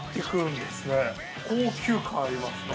高級感ありますね。